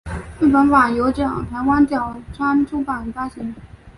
中文版由台湾角川出版发行。